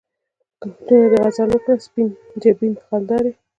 کښتونه د غزل وکره، سپین جبین خالدارې